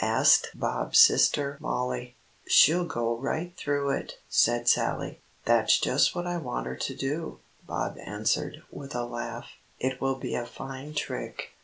asked Bob's sister Mollie. "She'll go right through it," said Sallie. "That's just what I want her to do," Bob answered, with a laugh. "It will be a fine trick."